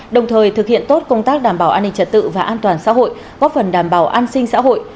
đồng thời thực hiện tốt công tác đảm bảo an ninh trật tự và an toàn xã hội góp phần đảm bảo an sinh xã hội